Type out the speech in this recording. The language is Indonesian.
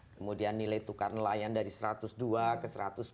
kemudian nilai tukar nelayan dari satu ratus dua ke satu ratus empat puluh